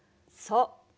そう。